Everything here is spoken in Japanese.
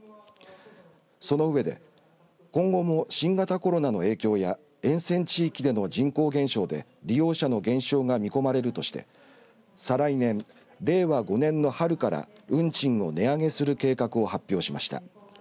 そのうえで今後も新型コロナの影響や沿線地域での人口減少で利用者の減少が見込まれるとして再来年、令和５年の春から運賃を値上げする計画を発表しました。